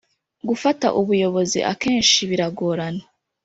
gufata ubuyobozi akenshi biragorana